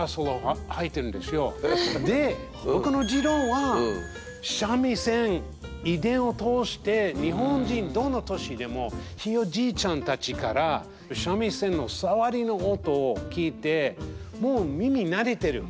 で僕の持論は三味線遺伝を通して日本人どの年でもひいおじいちゃんたちから三味線のサワリの音を聞いてもう耳慣れてる。